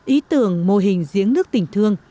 ý tưởng mô hình giếng nước tình thương